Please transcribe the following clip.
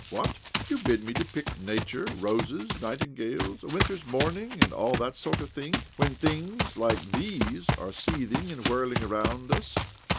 " What ? You bid me depict nature— roses, nightingales, a winter's morning, and all that sort of thing— when things like these are seething and whirling around us?